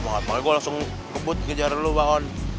makanya gue langsung kebut kejar lo bang